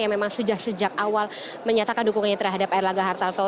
yang memang sejak awal menyatakan dukungannya terhadap erlangga hartato